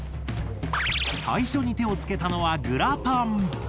最初に手をつけたのはグラタン！